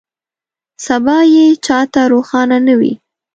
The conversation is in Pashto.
سبا یې چا ته روښانه نه وي.